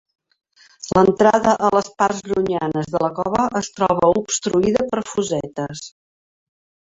L'entrada a les parts llunyanes de la cova es troba obstruïda per fossetes.